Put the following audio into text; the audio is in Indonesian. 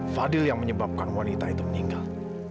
fadil yang menyebabkan wanita itu meninggal